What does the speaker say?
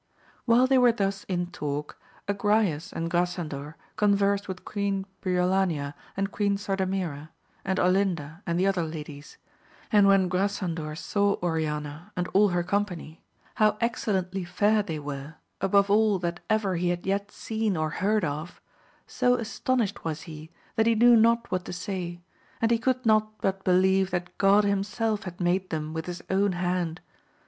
While they were thus in talk, Agrayes and Grasan dor conversed with Queen Briolania and Queen Sarda mira, and Olinda and the other ladies; and when Grasandor saw Oriana and all her company how ex cellently fair they were, above all that ever he had yet seen or heard of, so astonished was he that he knew not what to say, and he could not but believe that God himself had made them with his own hand.